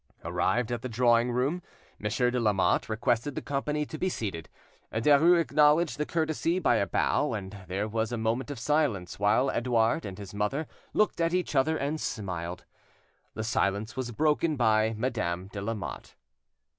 Arrived at the drawing room, Monsieur de Lamotte requested the company to be seated. Derues acknowledged the courtesy by a bow, and there was a moment of silence, while Edouard and his mother looked at each other and smiled. The silence was broken by Madame de Lamotte.